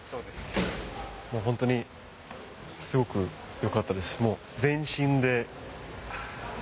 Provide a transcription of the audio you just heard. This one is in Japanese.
ホントにすごくよかったです。